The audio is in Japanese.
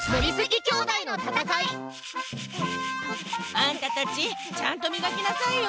あんたたちちゃんとみがきなさいよ。